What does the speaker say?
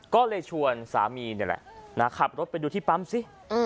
ก็เลยชวนสามีนี่แหละขับรถไปดูที่ปั๊มสิ